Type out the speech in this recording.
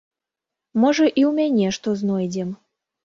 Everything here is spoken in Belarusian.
Можа і ў мяне што знойдзем.